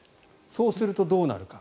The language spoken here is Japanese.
そうすると、どうなるか。